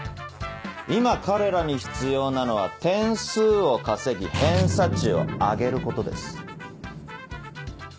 今彼らに必要なのは点数を稼ぎ偏差値を上げることです。